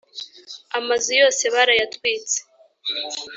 amazu yose barayatwitse